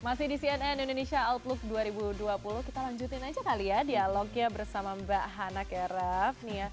masih di cnn indonesia outlook dua ribu dua puluh kita lanjutin aja kali ya dialognya bersama mbak hanak eraf